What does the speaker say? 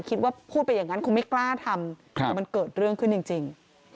พูดไปอย่างนั้นคงไม่กล้าทำแต่มันเกิดเรื่องขึ้นจริง